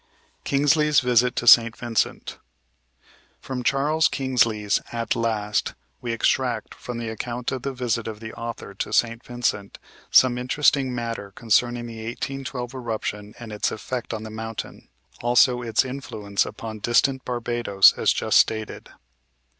KINGSLEY'S VISIT TO SAINT VINCENT From Charles Kingsley's "At Last" we extract, from the account of the visit of the author to St. Vincent, some interesting matter concerning the 1812 eruption and its effect on the mountain; also its influence upon distant Barbados, as just stated.